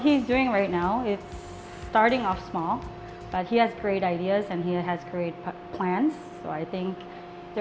jadi saya pikir apa yang dia lakukan sekarang itu mulai dari kecil tapi dia punya ide yang bagus dan dia punya rencana yang bagus